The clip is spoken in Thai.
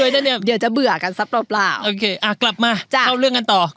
ถูกแล้ว